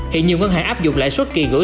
hiện nhiều ngân hàng áp dụng lãi suất kỳ gửi